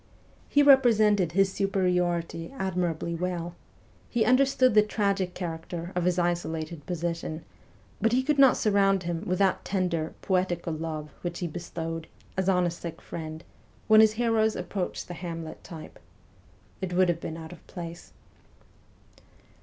He re presented his superiority admirably well : he under stood the tragic character of his isolated position ; but he could not surround him with that tender, poetical love which he bestowed, as on a sick friend, when his heroes approached the Hamlet type. It would have been out of place.